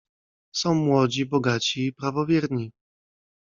"Są młodzi, bogaci i prawowierni."